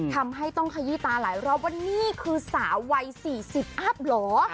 ทำให้ต้องขยี้ตาหลายรอบว่านี่คือสาววัย๔๐อัพเหรอ